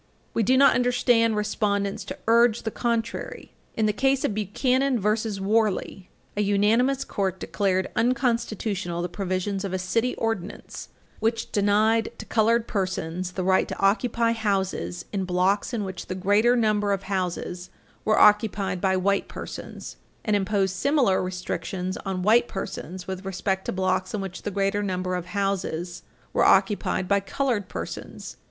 We do not understand respondents to urge the contrary. In the case of Buchanan v. Warley, supra, a unanimous Court declared unconstitutional the provisions of a city ordinance which denied to colored persons the right to occupy houses in blocks in which the greater number of houses were occupied by white persons, and imposed similar restrictions on white persons with respect to blocks in which the greater number of houses were occupied by colored persons.